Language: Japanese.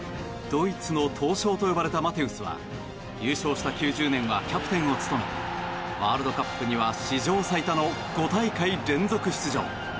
ドイツの闘将と呼ばれたマテウスは優勝した９０年はキャプテンを務めワールドカップには史上最多の５大会連続出場。